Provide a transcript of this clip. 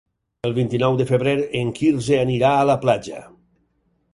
El vint-i-nou de febrer en Quirze anirà a la platja.